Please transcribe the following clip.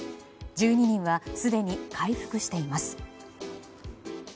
１２人はすでに回復しています。